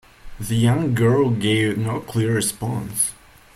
The young girl gave no clear response.